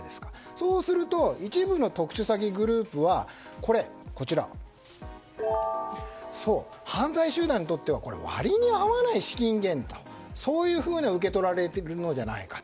そうすると一部の特殊詐欺グループは犯罪集団にとっては割に合わない資金源だとそういうふうに受け取られているんじゃないかと。